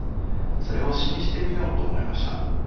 それを詩にしてみようと思いました」。